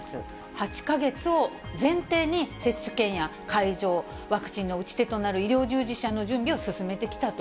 ８か月を前提に接種券や会場、ワクチンの打ち手となる医療従事者の準備を進めてきたと。